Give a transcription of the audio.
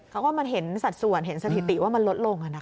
เขาก็มันเห็นสัดส่วนเห็นสถิติว่ามันลดลง